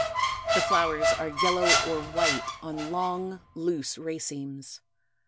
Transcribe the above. The flowers are yellow or white on long, loose racemes.